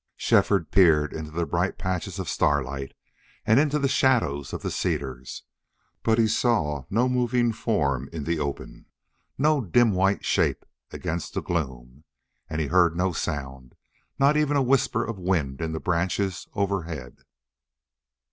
Shefford peered into the bright patches of starlight and into the shadows of the cedars. But he saw no moving form in the open, no dim white shape against the gloom. And he heard no sound not even a whisper of wind in the branches overhead.